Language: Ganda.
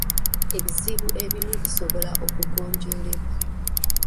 Ebizibu ebimu bisobola okugonjoolebwa.